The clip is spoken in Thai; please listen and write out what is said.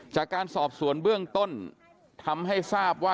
จากการสอบสวนเบื้องต้นทำให้ทราบว่า